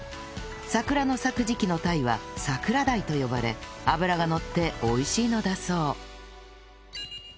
桜の咲く時期のタイは桜鯛と呼ばれ脂がのって美味しいのだそう